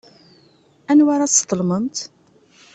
Anwa ara tesḍelmemt?